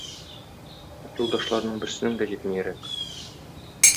Юлдашларның берсенең дә җитми йөрәк.